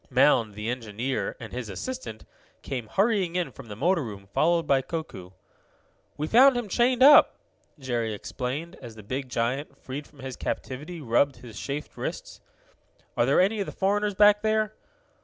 Mound, the engineer, and his assistant, came hurrying in from the motor room, followed by Koku. "We found him chained up," Jerry explained, as the big giant, freed from his captivity, rubbed his chafed wrists. "Are there any of the foreigners back there?'